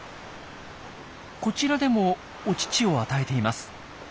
こちらでもお乳を与えています。